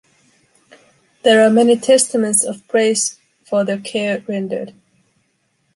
There are many testaments of praise for the care rendered.